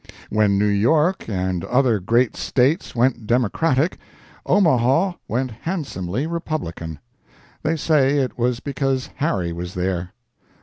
When New York and other great States went Democratic, Omaha went handsomely Republican. They say it was because Harry was there.